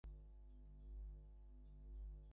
মাসখানেক লাগেব তোমার, না?